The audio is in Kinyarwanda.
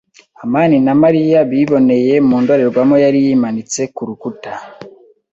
amani na Mariya biboneye mu ndorerwamo yari yimanitse ku rukuta.